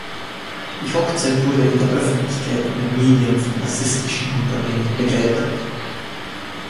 Die Hochzeit wurde in der Öffentlichkeit und den Medien von rassistischen Untertönen begleitet.